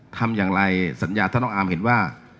ทำอย่างไรสัญญาถ้าน้องอาร์มเห็นว่า